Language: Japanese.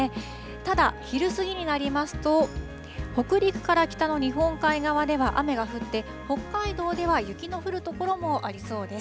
ただ、昼過ぎになりますと、北陸から北の日本海側では雨が降って、北海道では雪の降る所もありそうです。